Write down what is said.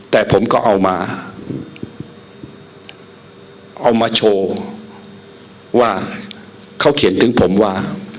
แต่ผมก็เอามาเอามาโชว์ว่าเขาเขียนถึงผมว่า